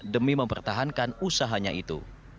demi mempertahankan usahanya itu